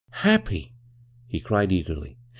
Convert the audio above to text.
' Happy '?" he cried eagerly.